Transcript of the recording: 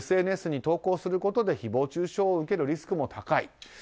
ＳＮＳに投稿することで誹謗中傷を受けるリスクも高い。